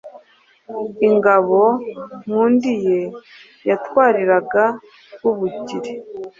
Ingabo Nkundiye yatwariraga Rwabugiri